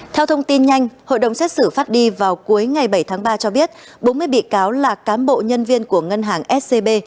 theo thông tin nhanh hội đồng xét xử phát đi vào cuối ngày bảy tháng ba cho biết bốn mươi bị cáo là cám bộ nhân viên của ngân hàng scb